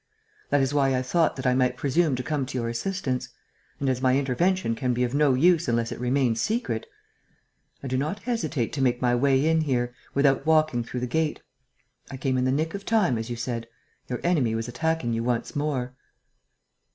That is why I thought that I might presume to come to your assistance. And, as my intervention can be of no use unless it remains secret, I did not hesitate to make my way in here ... without walking through the gate. I came in the nick of time, as you said. Your enemy was attacking you once more."